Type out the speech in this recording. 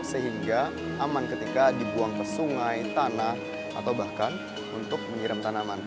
sehingga aman ketika dibuang ke sungai tanah atau bahkan untuk menyiram tanaman